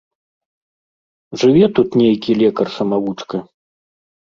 Жыве тут нейкі лекар самавучка.